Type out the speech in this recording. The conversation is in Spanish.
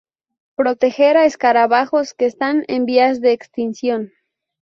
proteger a escarabajos que están en vías de extinción